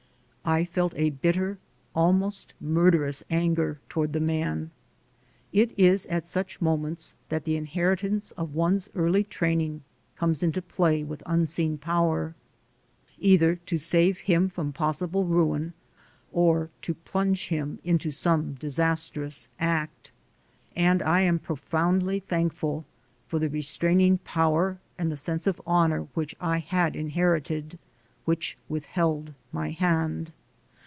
I felt a bitter, almost murderous anger toward the man. It is at such moments that the inheritance of one's early training comes into play with unseen power, either to save him from possible ruin or to plunge him into some disastrous act. And I am profoundly thankful for the restraining power and the sense of honor which I had inherited, which withheld my hand.